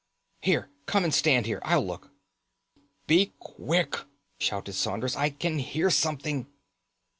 Here, come and stand here; I'll look." "Be quick!" shouted Saunders. "I can hear something!"